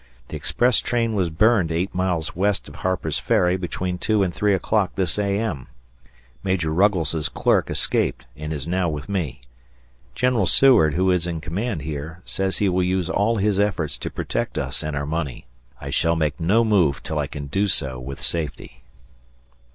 The express train was burned eight miles west of Harper's Ferry between 2 and 3 o'clock this A.M. Major Ruggles' clerk escaped and is now with me. ... General Seward, who is in command here, says he will use all his efforts to protect us and our money. I shall make no move till I can do so with safety.